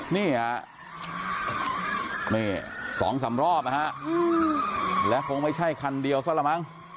นี่ฮะนี่๒๓รอบนะฮะและคงไม่ใช่คันเดียวซะละมั้ง